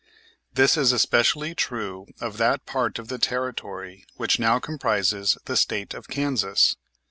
This is especially true of that part of the territory which now comprises the State of Kansas.